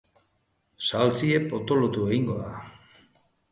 Saltsa potolotu egingo da.